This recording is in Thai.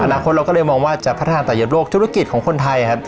อนาคตเราก็เลยมองว่าจะพัฒนธุ์ลาของของคนไทยครับ